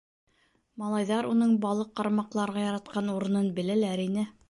Малайҙар уның балыҡ ҡармаҡларға яратҡан урынын беләләр ине.